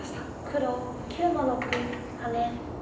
黒９の六ハネ。